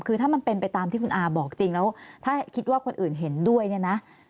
คือถ้ามันเป็นไปตามที่คุณอาบอกจริงแล้วถ้าคิดว่าคนอื่นเห็นด้วยเนี่ยนะ